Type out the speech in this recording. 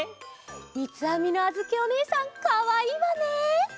みつあみのあづきおねえさんかわいいわね。